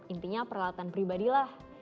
intinya peralatan pribadilah